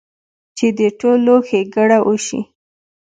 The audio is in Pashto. چې د ټولو ښېګړه اوشي -